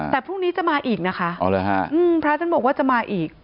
แต่พรุ่งนี้จะมาอีกนะคะพระท่านบอกว่าจะมาอีก